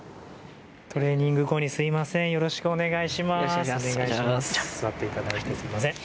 トレーニング後にすみません。